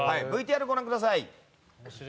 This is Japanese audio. ＶＴＲ、ご覧ください。